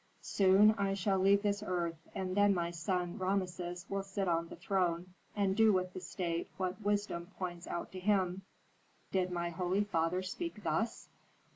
Soon I shall leave this earth, and then my son, Rameses, will sit on the throne, and do with the state what wisdom points out to him.'" "Did my holy father speak thus?"